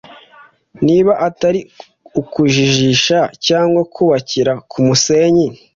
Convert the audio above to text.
niba atari ukujijisha cyangwa kubakira ku musenyi